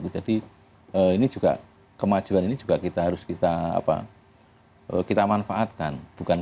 jadi ini juga kemajuan ini juga kita harus kita manfaatkan